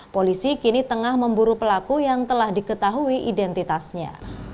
polisi kini tengah memburu pelaku yang telah diketahui identitasnya